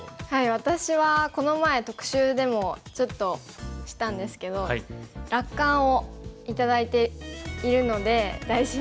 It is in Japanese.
私はこの前特集でもちょっとしたんですけど落款を頂いているので大事にしています。